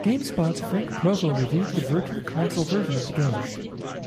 "GameSpot"s Frank Provo reviewed the Virtual Console version of the game.